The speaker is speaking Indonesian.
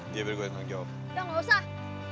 dia beri gue tanggung jawab